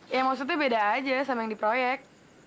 ya maksudnya beda aja sama yang di proyek